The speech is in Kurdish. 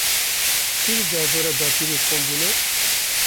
Kî li derdora dapîrê kom bûne?